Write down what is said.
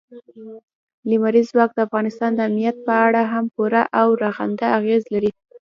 لمریز ځواک د افغانستان د امنیت په اړه هم پوره او رغنده اغېز لري.